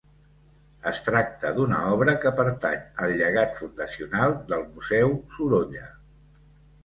Es tracta d'una obra que pertany al llegat fundacional del Museu Sorolla.